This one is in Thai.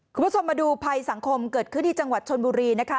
คุณผู้ชมมาดูภัยสังคมเกิดขึ้นที่จังหวัดชนบุรีนะคะ